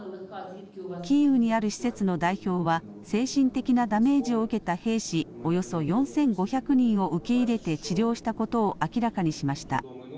キーウにある施設の代表は精神的なダメージを受けた兵士、およそ４５００人を受け入れて治療したことを明らかにしました。